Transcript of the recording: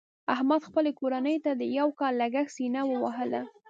احمد خپلې کورنۍ ته د یو کال لګښت سینه ووهله.